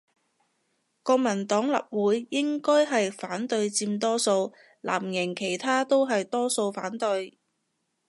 國民黨立委應該係反對佔多數，藍營其他都係多數反對